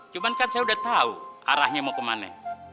cuman kan saya udah tahu arahnya mau kemana